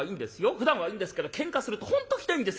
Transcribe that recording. ふだんはいいんですけどけんかすると本当ひどいんですよ